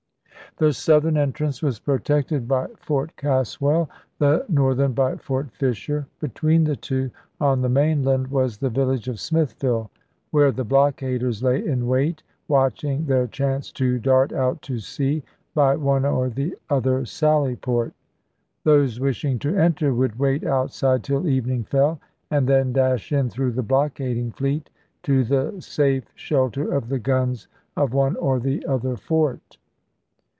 The southern FOET FISHEK AND WILMINGTON 53 entrance was protected by Fort Caswell ; the north ern by Fort Fisher ; between the two, on the main land, was the village of Smithville, where the blockaders lay in wait, watching their chance to dart out to sea by one or the other sally port. Those wishing to enter would wait outside till evening fell, and then dash in through the blockading fleet to the safe shelter of the guns of one or the other fort.